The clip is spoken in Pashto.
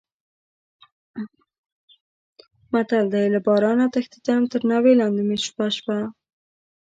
متل دی: له بارانه تښتېدم تر ناوې لانې مې شپه شوه.